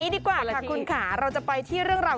ลูกจังหว่า